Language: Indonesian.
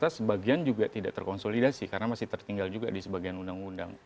karena sebagian juga tidak terkonsolidasi karena masih tertinggal juga di sebagian undang undang